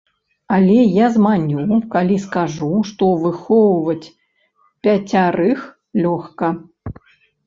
Але я зманю, калі скажу, што выхоўваць пяцярых лёгка!